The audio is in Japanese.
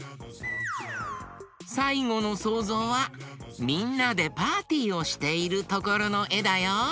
さいごのそうぞうはみんなでパーティーをしているところのえだよ。